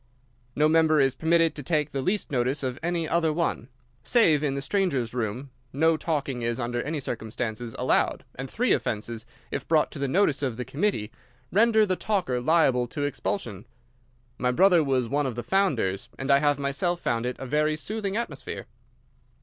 No member is permitted to take the least notice of any other one. Save in the Stranger's Room, no talking is, under any circumstances, allowed, and three offences, if brought to the notice of the committee, render the talker liable to expulsion. My brother was one of the founders, and I have myself found it a very soothing atmosphere."